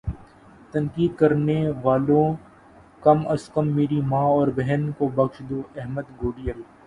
تنقید کرنے والو کم از کم میری ماں اور بہن کو بخش دو احمد گوڈیل